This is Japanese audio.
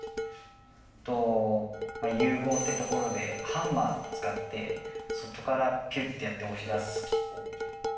融合ってところでハンマーを使って外からピュッてやって押し出す機構。